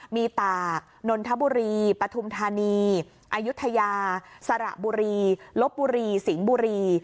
มีตากนนทบุรีปฐุมธานีอายุทยาสระบุรีลบบุรีสิงห์บุรี